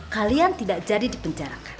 kalian tidak bisa mencari kesalahan